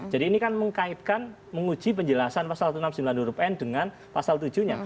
jadi ini kan mengkaitkan menguji penjelasan pasal satu ratus enam puluh sembilan huruf n dengan pasal tujuh nya